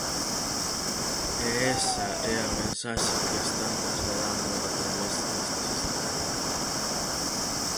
E esa é a mensaxe que están trasladando a través deste sistema.